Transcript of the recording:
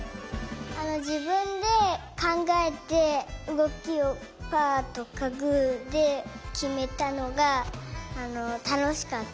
じぶんでかんがえてうごきをパーとかグーできめたのがたのしかった。